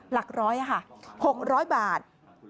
หลักร้อยหกร้อยบาท